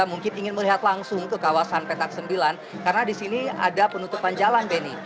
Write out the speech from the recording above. mungkin ingin melihat langsung ke kawasan petak sembilan karena di sini ada penutupan jalan benny